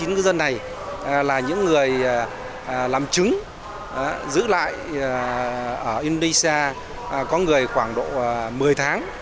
chín ngư dân này là những người làm chứng giữ lại ở indonesia có người khoảng độ một mươi tháng